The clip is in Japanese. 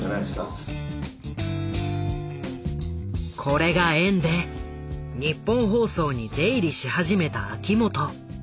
これが縁でニッポン放送に出入りし始めた秋元。